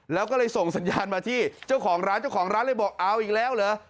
เราก็เลยส่งสัญญาณมาที่เจ้าของร้านเลยบอกอ้าวอีกแล้วเหรอ